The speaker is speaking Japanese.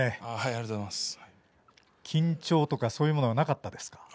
緊張とかそういうものはなかったですか。